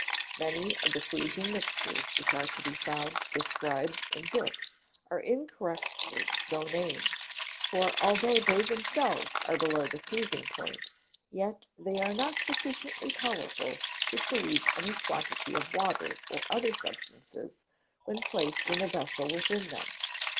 Many of the freezing mixtures which are to be found described in books are incorrectly so named, for although they themselves are below the freezing point, yet they are not sufficiently powerful to freeze any quantity of water, or other substances, when placed in a vessel within them.